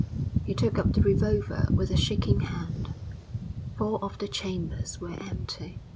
He took up the revolver with a shaking hand. Four of the chambers were empty.